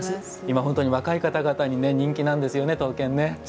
本当に、若い方々に人気なんですよね、刀剣。